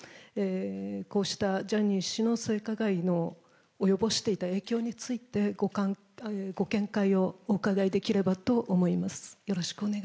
こうしたジャニー氏の性加害の及ぼしていた影響について、ご見解をお伺いできればと思います。